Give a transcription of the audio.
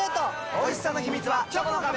おいしさの秘密はチョコの壁！